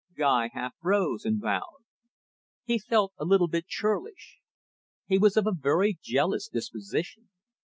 Guy half rose and bowed. He felt a little bit churlish. He was of a very jealous disposition.